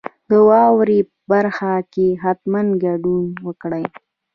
د واورئ برخه کې حتما ګډون وکړئ.